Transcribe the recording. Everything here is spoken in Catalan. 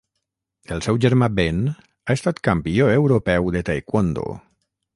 El seu germà Ben ha estat campió europeu de Taekwondo.